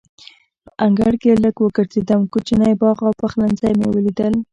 په انګړ کې لږ وګرځېدم، کوچنی باغ او پخلنځی مې ولیدل.